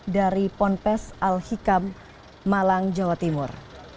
dari ponpes al hikam malang jawa timur